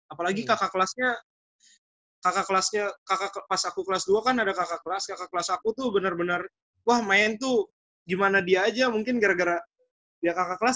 apalagi kakak kelasnya kakak kelasnya kakak pas aku kelas dua kan ada kakak kelas kakak kelas aku tuh bener bener wah main tuh gimana dia aja mungkin gara gara dia kakak kelas